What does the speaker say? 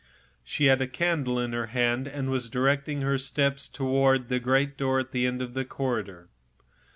She held a candle in her hand, and directed her steps to the numbered door at the end of the corridor.